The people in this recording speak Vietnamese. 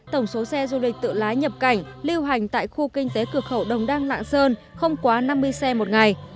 tổng số xe du lịch tự lái nhập cảnh lưu hành tại khu kinh tế cửa khẩu đồng đăng lạng sơn không quá năm mươi xe một ngày